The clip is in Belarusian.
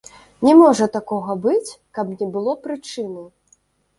Не можа такога быць, каб не было прычыны!